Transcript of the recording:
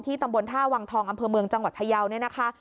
ตำบลท่าวังทองอำเภอเมืองจังหวัดพยาวเนี่ยนะคะ